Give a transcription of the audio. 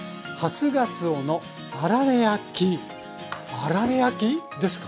あられ焼き？ですか？